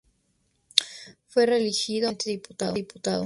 Fue reelegido nuevamente Diputado.